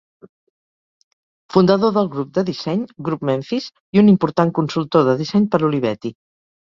Fundador del Grup de disseny Grup Memphis i un important consultor de disseny per Olivetti.